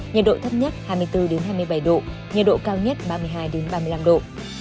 nhiệt độ thấp nhất hai mươi bốn hai mươi bảy độ nhiệt độ cao nhất ba mươi hai ba mươi năm độ